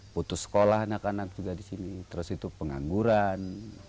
putus sekolah anak anak juga disini terus itu pengangguran